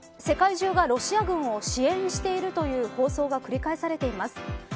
世界中がロシア軍を支援しているという放送が繰り返されています。